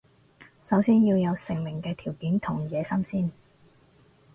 首先要有成名嘅條件同野心先